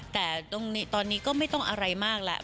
แต่ตอนนี้ก็ไม่ต้องอะไรมากแล้ว